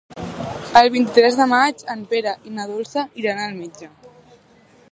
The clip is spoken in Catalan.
El vint-i-tres de maig en Pere i na Dolça iran al metge.